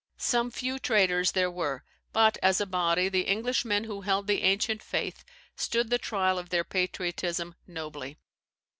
Some few traitors there were; but, as a body, the Englishmen who held the ancient faith, stood the trial of their patriotism nobly.